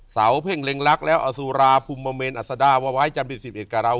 เสาเพ่งเร็งรักแล้วอสุราภุมเมนอัสดาวะไว้จันทร์๑๑การาว